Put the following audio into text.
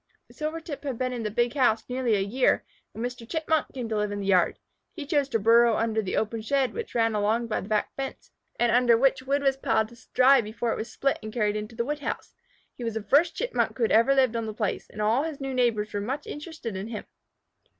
Silvertip had been in the big house nearly a year, when Mr. Chipmunk came to live in the yard. He chose to burrow under the open shed which ran along by the back fence, and under which wood was piled to dry before it was split and carried into the wood house. He was the first Chipmunk who had ever lived on the place, and all his new neighbors were much interested in him.